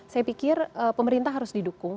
saya pikir pemerintah harus didukung